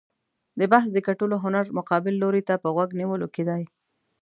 د بحث د ګټلو هنر مقابل لوري ته په غوږ نیولو کې دی.